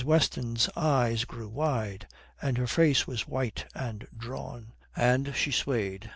Weston's eyes grew wide, and her face was white and drawn, and she swayed.